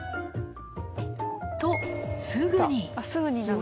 と、すぐに。